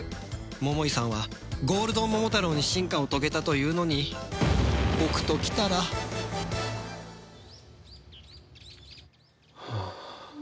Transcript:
桃井さんはゴールドンモモタロウに進化を遂げたというのに僕ときたらはあ。